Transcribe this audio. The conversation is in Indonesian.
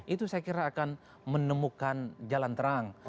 itu saya kira akan menemukan jalan terang